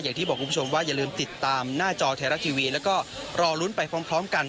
อย่างที่บอกคุณผู้ชมว่าอย่าลืมติดตามหน้าจอไทยรัฐทีวีแล้วก็รอลุ้นไปพร้อมกัน